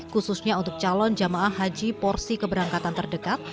khususnya untuk calon jemaah haji porsi keberangkatan terdekat